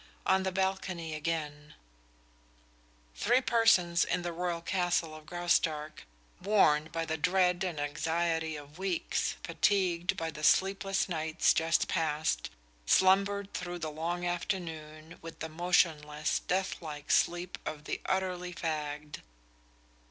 ON THE BALCONY AGAIN Three persons in the royal castle of Graustark, worn by the dread and anxiety of weeks, fatigued by the sleepless nights just past, slumbered through the long afternoon with the motionless, deathlike sleep of the utterly fagged.